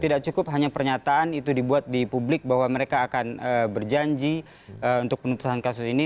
tidak cukup hanya pernyataan itu dibuat di publik bahwa mereka akan berjanji untuk penutusan kasus ini